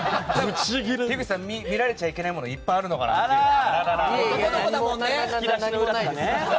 樋口さん見られちゃいけないものがいっぱいあるのかなと。